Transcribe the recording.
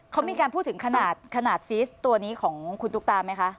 เขามีการพูดถึงขนาดขนาดซีสตัวนี้ของคุณตุ๊กตาไหมคะ